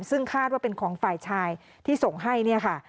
ซึ่งคาดว่าเป็นของฝ่ายชายที่ส่งให้